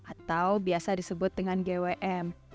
atau biasa disebut dengan gwm